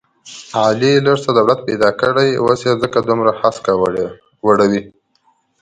علي لږ څه دولت پیدا کړی دی، اوس یې ځکه دومره هسکه وړوي...